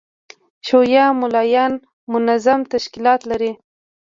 شیعه مُلایان منظم تشکیلات لري.